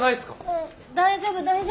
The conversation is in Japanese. うん大丈夫大丈夫。